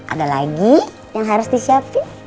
ada lagi yang harus disiapin